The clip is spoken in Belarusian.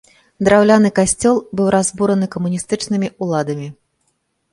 Драўляны касцёл быў разбураны камуністычнымі ўладамі.